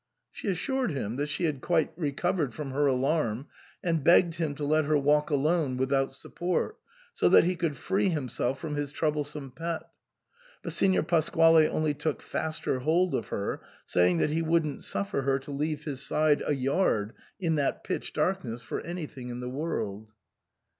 She assured him that she had quite recovered from her alarm, and begged him to let her walk alone without support, so that he could free himself from his trouble some pet. But Signor Pasquale only took faster hold of her, saying that he wouldn't suffer her to leave his side a yard in that pitch darkness for anything in the world.